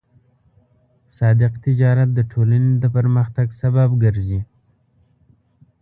صادق تجارت د ټولنې د پرمختګ سبب ګرځي.